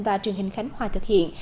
và truyền hình khánh hoa thực hiện